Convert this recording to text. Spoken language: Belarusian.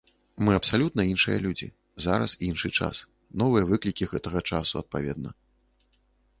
Мы абсалютна іншыя людзі, зараз іншы час, новыя выклікі гэтага часу адпаведна.